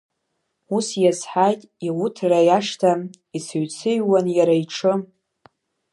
Ус иазҳаит иуҭра, иашҭа, ицыҩцыҩуан иара иҽы.